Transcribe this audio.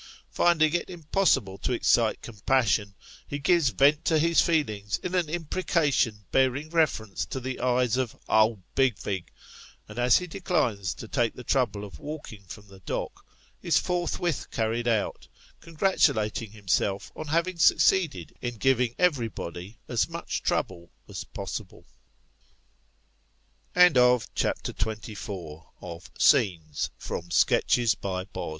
Finding it impossible to excite compassion, he gives vent to his feelings in an imprecation bearing reference to the eyes of " old big vig!" and as he declines to take the trouble of walking from the dock, is forthwith carried out, congratulating himself on having succeeded in giving everybody as much trouble as possib